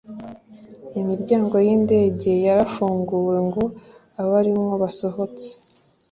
imiryango y’indege yarafunguwe ngo abarimwo basohotse